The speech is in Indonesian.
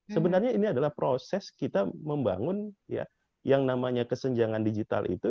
sebenarnya ini adalah proses kita membangun yang namanya kesenjangan digital itu